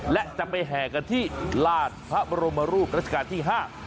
และจะไปแห่กันที่ลานพระบรมรูปรัชกาลที่ห้า